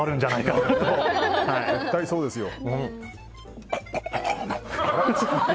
絶対そうですよ。